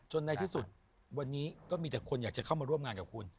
ในที่สุดวันนี้ก็มีแต่คนอยากจะเข้ามาร่วมงานกับคุณ